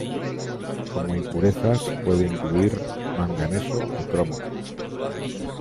Como impurezas puede incluir manganeso y cromo.